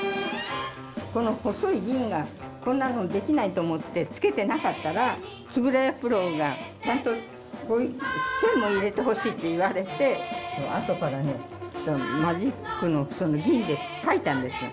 この細い銀の線がこんなのできないと思ってつけてなかったら円谷プロがちゃんと線も入れてほしいって言われてあとからマジックの銀で描いたんです。